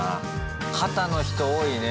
肩の人多いね。